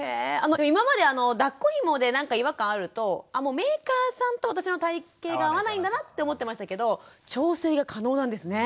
今までだっこひもでなんか違和感あるとメーカーさんと私の体形が合わないんだなって思ってましたけど調整が可能なんですね。